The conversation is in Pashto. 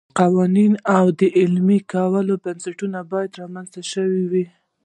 قوانین او د عملي کولو بنسټونه باید رامنځته شوي وای.